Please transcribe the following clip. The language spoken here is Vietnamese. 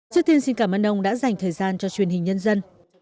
trước tiên xin cảm ơn ông đã dành thời gian cho truyền hình nhân dân